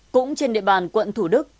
cũng trên địa bàn quận thủ đức